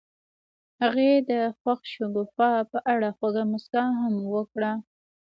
هغې د خوښ شګوفه په اړه خوږه موسکا هم وکړه.